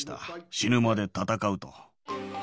死ぬまで戦うと。